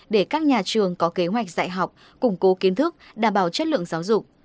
để các nhà trường có kế hoạch dạy học củng cố kiến thức đảm bảo chất lượng giáo dục